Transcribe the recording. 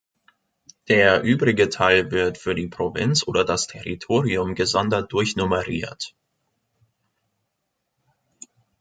Der übrige Teil wird für die Provinz oder das Territorium gesondert durchnummeriert.